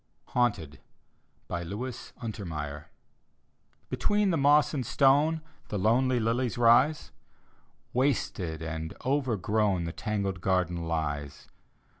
HAUNTED : look untermeyer Between the moss and stone The lonely lilies rise; Wasted and overgrown The tangled garden lies.